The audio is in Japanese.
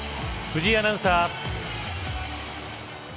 藤井アナウンサー。